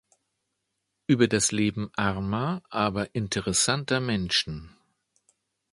Über das Leben armer, aber interessanter Menschen.